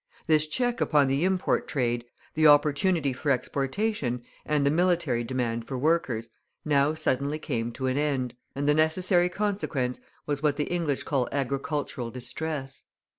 This check upon the import trade, the opportunity for exportation, and the military demand for workers, now suddenly came to an end; and the necessary consequence was what the English call agricultural distress.